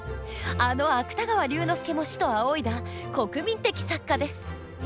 あの芥川龍之介も師と仰いだ国民的作家です。